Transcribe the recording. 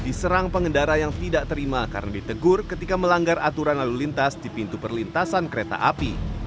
diserang pengendara yang tidak terima karena ditegur ketika melanggar aturan lalu lintas di pintu perlintasan kereta api